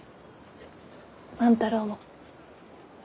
万太郎も。